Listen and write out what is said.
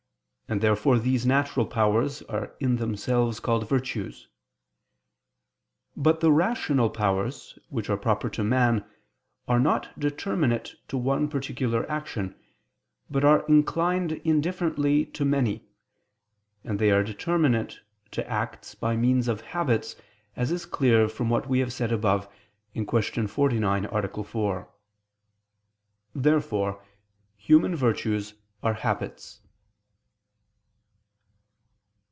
And therefore these natural powers are in themselves called virtues. But the rational powers, which are proper to man, are not determinate to one particular action, but are inclined indifferently to many: and they are determinate to acts by means of habits, as is clear from what we have said above (Q. 49, A. 4). Therefore human virtues are habits.